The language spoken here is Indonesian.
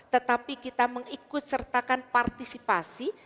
tetapi kita mengikut sertakan partisipasi